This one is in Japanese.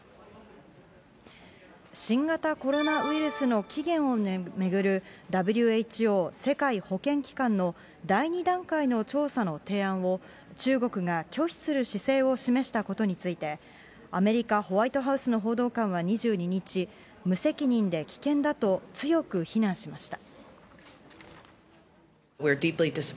新型コロナウイルスの起源を巡るＷＨＯ・世界保健機関の第２段階の調査の提案を、中国が拒否する姿勢を示したことについて、アメリカ・ホワイトハウスの報道官は２２日、無責任で危険だと強く非難しました。